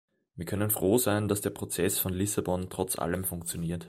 Wir können froh sein, dass der Prozess von Lissabon trotz allem funktioniert.